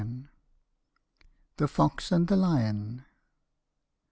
THE FOX AND THE LION.